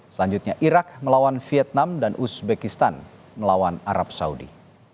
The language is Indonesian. selanjutnya irak melawan vietnam dan uzbekistan melawan arab saudi